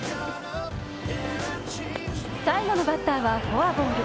最後のバッターはフォアボール。